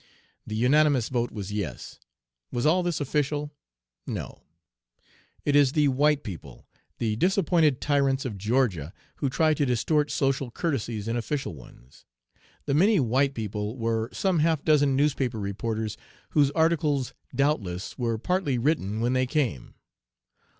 The unanimous vote was "yes." Was all this official? No. It is the white people, the disappointed tyrants of Georgia, who try to distort social courtesies in official ones. The "many white" people were some half dozen newspaper reporters, whose articles doubtless were partly written when they came.